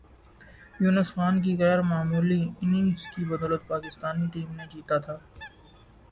یونس خان کی غیر معمولی اننگز کی بدولت پاکستانی ٹیم نے جیتا تھا